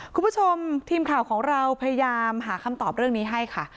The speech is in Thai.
คุณผู้ชมทีมข่าวของเราพยายามหาคำตอบเรื่องนี้ให้ค่ะ